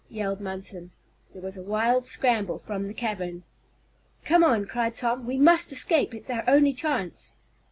yelled Munson. There was a wild scramble from the cavern. "Come on!" cried Tom. "We must escape! It's our only chance!"